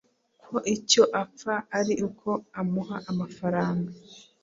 ko icyo apfa ari uko amuha amafaranga